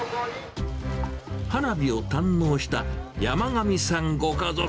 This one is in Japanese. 花火をたんのうした山上さんご家族。